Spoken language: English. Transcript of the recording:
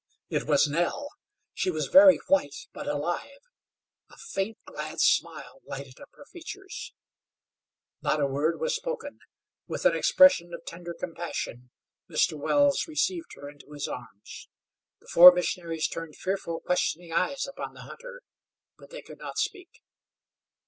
It was Nell! She was very white but alive. A faint, glad smile lighted up her features. Not a word was spoken. With an expression of tender compassion Mr. Wells received her into his arms. The four missionaries turned fearful, questioning eyes upon the hunter, but they could not speak.